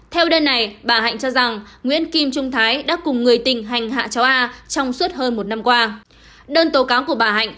theo đơn này bà hạnh cho rằng nguyễn kim trung thái đã cùng người tình hành hạ cháu a trong suốt hơn một năm qua